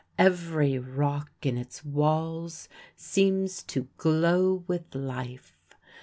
Every rock in its walls seems to glow with life.